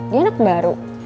dia anak baru